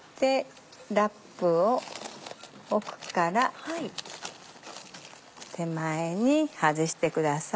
ラップを奥から手前に外してください。